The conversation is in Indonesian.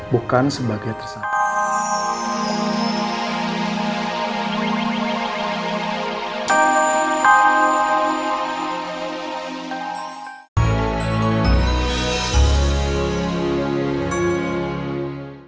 bukan sebagai tersalah